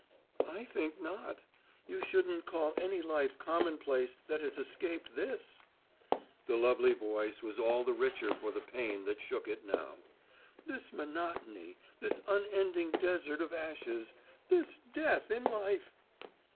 "I think not. You shouldn't call any life commonplace that has escaped this!" The lovely voice was all the richer for the pain that shook it now. "This monotony, this unending desert of ashes, this death in life!"